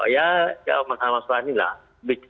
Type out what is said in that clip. ya masalah masalah inilah